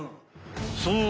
そう。